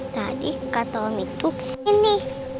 tadi kata om itu kesini